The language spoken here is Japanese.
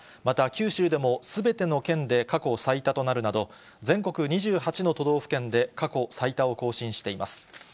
また九州でもすべての県で過去最多となるなど、全国２８の都道府県で過去最多を更新しています。